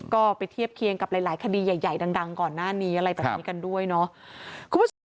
ก็ไปเทียบเคียงกับหลายคดีใหญ่ดังก่อนหน้านี้อะไรแบบนี้กันด้วยเนาะคุณผู้ชม